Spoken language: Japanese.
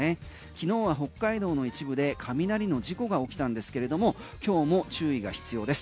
昨日は北海道の一部で雷の事故が起きたんですけれども今日も注意が必要です。